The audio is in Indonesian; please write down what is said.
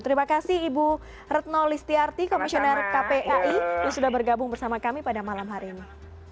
terima kasih ibu retno listiarti komisioner kpai yang sudah bergabung bersama kami pada malam hari ini